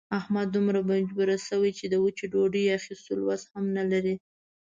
احمد دومره مجبور شوی چې د وچې ډوډۍ اخستلو وس هم نه لري.